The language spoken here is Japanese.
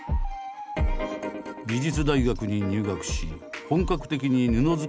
美術大学に入学し本格的に布作りを勉強。